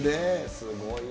すごいな。